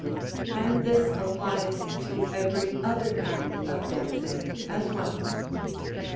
And this applies to every other kind of dancing as well.